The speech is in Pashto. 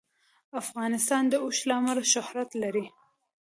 افغانستان د اوښ له امله شهرت لري.